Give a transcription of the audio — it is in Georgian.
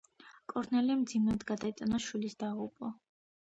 კორნელიმ მძიმედ გადაიტანა შვილის დაღუპვა.